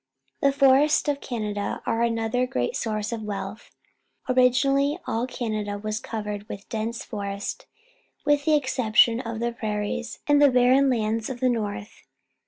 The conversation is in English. The forests of Canada are another great source 'oT wealth. Originally all Canada was covered with dense forest, with the exception of the prairies and the barren lands of the north.